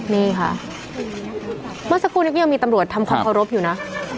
นี่ค่ะเมื่อสักครู่นี้ก็ยังมีตำรวจทำความเคารพอยู่นะ